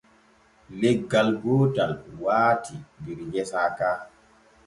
Leggal gootal waati der gesa ka.